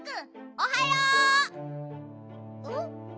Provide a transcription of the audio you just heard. おはよう！